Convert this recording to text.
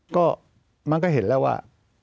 ก็มันก็เห็นแล้วว่า